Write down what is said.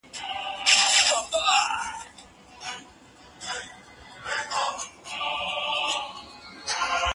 زه به اوږده موده کتابونه ليکلي وم!.